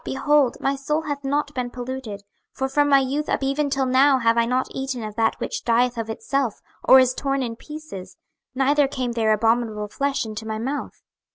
behold, my soul hath not been polluted: for from my youth up even till now have I not eaten of that which dieth of itself, or is torn in pieces; neither came there abominable flesh into my mouth.